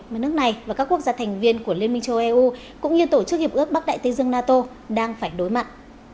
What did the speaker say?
mà nước này và các quốc gia thành viên của liên minh châu eu cũng như tổ chức hiệp ước bắc đại tây dương nato đang phải đối mặt